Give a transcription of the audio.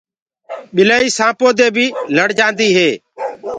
ٻِلآئي سآنپو دي بي لڙ جآندي هي۔